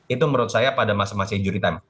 itu menurut saya pada masa masa injury time